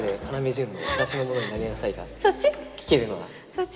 そっち？